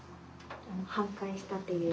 半壊したっていう。